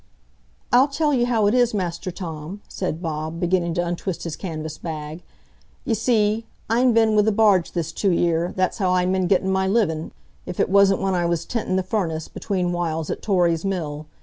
"I'll tell you how it is, Master Tom," said Bob, beginning to untwist his canvas bag. "You see, I'n been with a barge this two 'ear; that's how I'n been gettin' my livin',—if it wasn't when I was tentin' the furnace, between whiles, at Torry's mill.